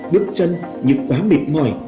bước chân như quá mệt mỏi